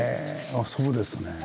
あそうですね。